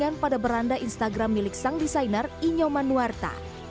yang pada beranda instagram milik sang desainer inyoman nuwarta